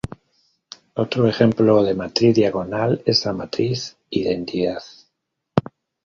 Otro ejemplo de matriz diagonal es la matriz identidad.